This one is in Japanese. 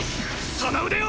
その腕を！